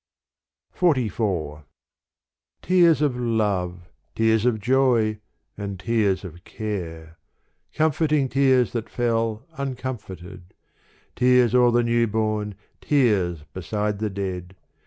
XLIV Tears of love, tears of joy and tears of care, Comforting tears that fell uncomforted, Tears o'er the new born, tears beside the dead.